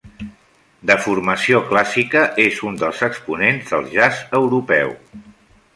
De formació clàssica, és un dels exponents del Jazz Europeu.